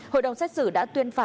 hội đồng xét xử đã tuyên